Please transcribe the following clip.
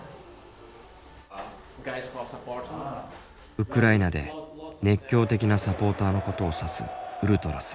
ウクライナで熱狂的なサポーターのことを指すウルトラス。